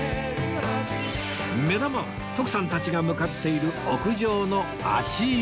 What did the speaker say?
目玉は徳さんたちが向かっている屋上の足湯